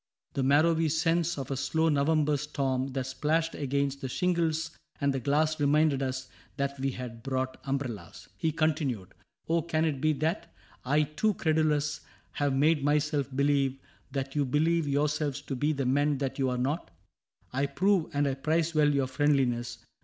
The marrowy sense Of a slow November storm that splashed against The shingles and the glass reminded us That we had brought umbrellas. He continued :'^ Oh, can it be that I, too credulous. Have made myself believe that you believe Yourselves to be the men that you are not ? I prove and I prize well your friendliness.